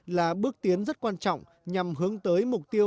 là bước tiến rất quan trọng nhằm hướng tới mục tiêu